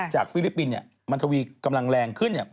จากฟิลิปปินส์ทวีกำลังแรงขึ้น